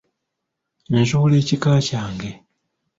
Nzuula ekika kyange.